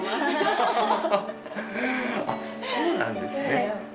そうなんですね。